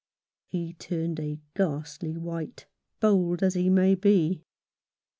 He turned a ghastly white, bold as he may be.